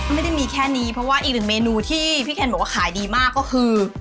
ไม่ได้มีแค่นี้เพราะว่าอีกหนึ่งเมนูที่พี่เคนบอกว่าขายดีมากก็คือ